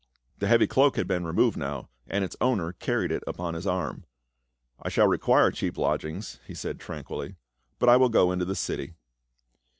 The heavy cloak had been removed now, and its owner carried it upon his arm. " I shall require cheap lodgings," he said tranquilly, "but I will go into the city."